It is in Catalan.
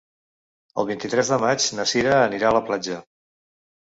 El vint-i-tres de maig na Cira anirà a la platja.